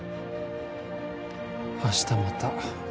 明日また